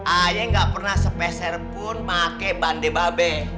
ayek gak pernah sepeserpun pake bande babe